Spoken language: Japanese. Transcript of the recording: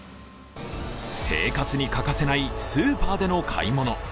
生活に欠かせないスーパーでの買い物。